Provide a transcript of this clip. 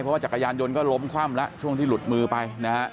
เพราะว่าจักรยานยนต์ก็ล้มคว่ำแล้วช่วงที่หลุดมือไปนะฮะ